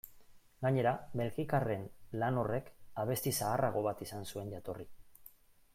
Gainera, belgikarren lan horrek abesti zaharrago bat izan zuen jatorri.